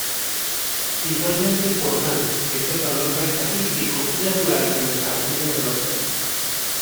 Igualmente importante es el valor paisajístico y natural de los jardines del hotel.